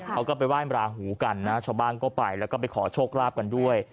เขาก็ไปไหว้ราหูกันนะชาวบ้านก็ไปแล้วก็ไปขอโชคลาภกันด้วย